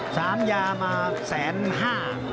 สามยามาแสนห้า